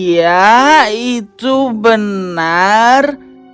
iya itu benar